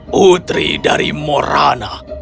putri dari morana